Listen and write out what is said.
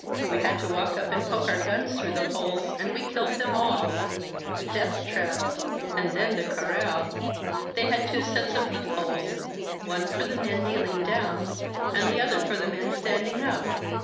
We had to walk up and poke our guns through the holes and we killed them all — a death trap! And then the Corral! They had two sets of loopholes, one for the men kneeling down and the other for the men standing up.